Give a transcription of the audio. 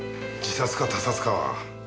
自殺か他殺かは。